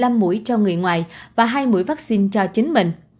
một mươi năm mũi cho người ngoài và hai mũi vaccine cho chính mình